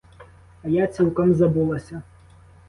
А я цілком забулася!